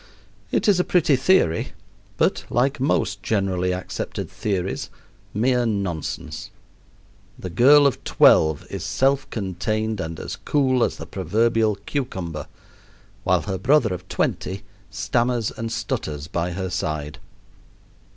It is a pretty theory, but, like most generally accepted theories, mere nonsense. The girl of twelve is self contained and as cool as the proverbial cucumber, while her brother of twenty stammers and stutters by her side.